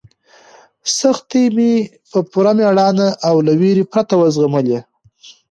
سختۍ مې په پوره مېړانه او له وېرې پرته وزغملې.